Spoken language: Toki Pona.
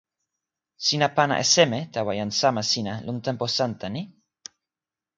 sina pana e seme tawa jan sama sina lon tenpo Santa ni?